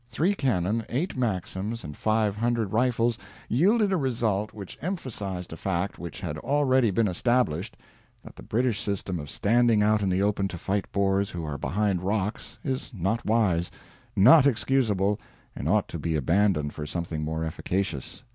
Three cannon, eight Maxims, and five hundred rifles yielded a result which emphasized a fact which had already been established that the British system of standing out in the open to fight Boers who are behind rocks is not wise, not excusable, and ought to be abandoned for something more efficacious.